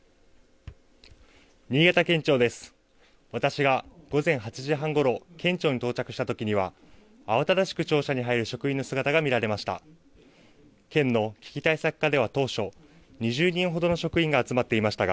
私が午前８時半ごろ、県庁に到着したときには慌ただしく庁舎に入る職員の姿が見られました。